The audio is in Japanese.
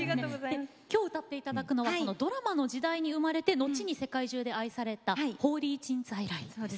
きょう歌っていただくのはドラマの時代に生まれて後に世界中で愛された「何日君再来」。